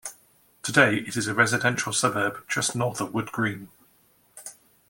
Today it is a residential suburb just north of Wood Green.